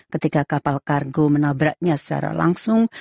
ketika kapal kargo menabraknya secara langsung